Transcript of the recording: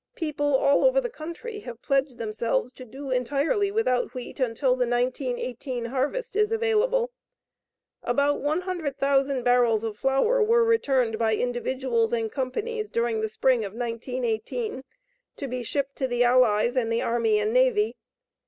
People all over the country have pledged themselves to do entirely without wheat until the 1918 harvest is available. About 100,000 barrels of flour were returned by individuals and companies during the spring of 1918, to be shipped to the Allies and the Army and Navy.